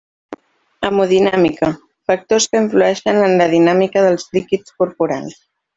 Hemodinàmica: factors que influïxen en la dinàmica dels líquids corporals.